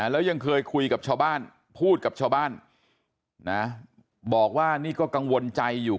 แล้วยังเคยคุยกับชาวบ้านพูดกับชาวบ้านนะบอกว่านี่ก็กังวลใจอยู่